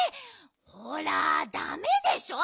ほらだめでしょ。